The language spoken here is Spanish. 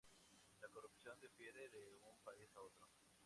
La corrupción difiere de un país a otro.